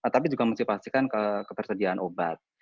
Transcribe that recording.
tapi juga mesti pastikan ketersediaan obat